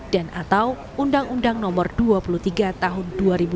dan atau undang undang nomor dua puluh tiga tahun dua ribu dua